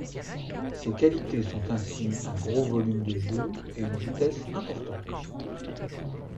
Ses qualités sont ainsi un gros volume de jeu et une vitesse importante.